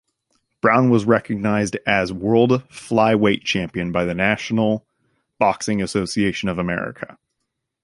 Brown was recognized as world flyweight champion by the National Boxing Association of America.